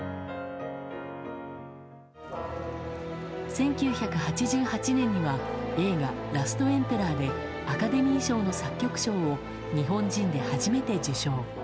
１９８８年には映画「ラストエンペラー」でアカデミー賞の作曲賞を日本人で初めて受賞。